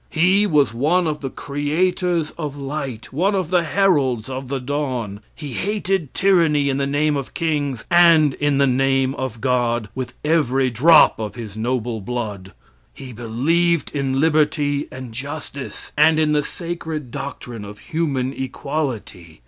He was one of the creators of light, one of the heralds of the dawn. He hated tyranny in the name of kings, and in the name of God, with every drop of his noble blood. He believed in liberty and justice, and in the sacred doctrine of human equality.